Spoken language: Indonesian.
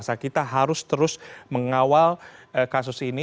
jadi kita harus terus mengawal kasus ini